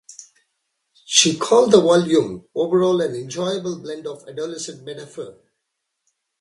She called the volume overall an "enjoyable blend of adolescent metaphor".